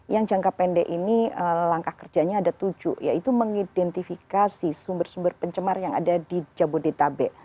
yang jangka pendek ini langkah kerjanya ada tujuh yaitu mengidentifikasi sumber sumber pencemar yang ada di jabodetabek